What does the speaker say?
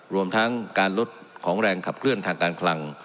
รวมทั้งการลดของแรงขับเคลื่อนทางการคลัง